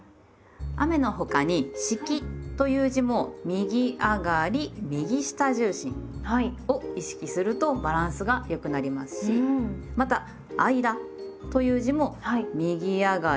雨の他に「式」という字も「右上がり右下重心」を意識するとバランスが良くなりますしまた「間」という字も右上がり。